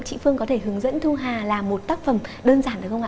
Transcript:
chị phương có thể hướng dẫn thu hà làm một tác phẩm đơn giản được không ạ